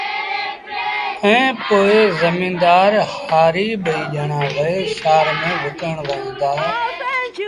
ائيٚݩ پو زميݩدآر هآريٚ ٻئيٚ ڄآڻآݩ وهي شآهر ميݩ وڪڻڻ وهيݩ دآ